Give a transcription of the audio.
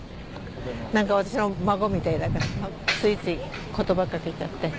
何か私の孫みたいだからついつい言葉かけちゃって。